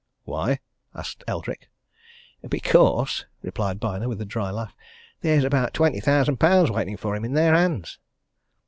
"Why?" asked Eldrick. "Because," replied Byner with a dry laugh, "there's about twenty thousand pounds waiting for him, in their hands."